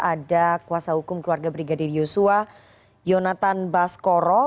ada kuasa hukum keluarga brigadir yosua yonatan baskoro